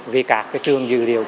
vì các trường dư liệu